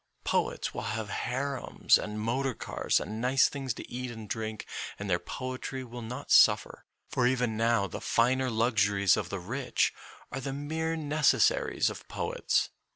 Poets will have harems and motor cars, and nice things to eat and drink, and their poetry will 62 MONOLOGUES not suffer, for even now the finer luxuries of the rich are the mere necessaries of poets.